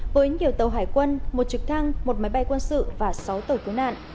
với nhiều tàu hải quân một trực thăng một máy bay quân sự và sáu tàu cứu nạn